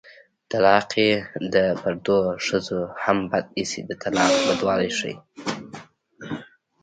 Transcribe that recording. طلاقي د پردو ښځو هم بد ايسي د طلاق بدوالی ښيي